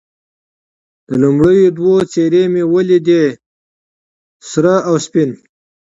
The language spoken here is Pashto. د لومړیو دوو څېرې مې یې ولیدې، سره او سپین.